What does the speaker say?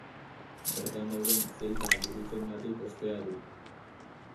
Bertan dauden zelta gurutzeengatik ospea du.